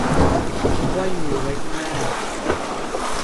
ไขว้มือไว้ด้านหน้า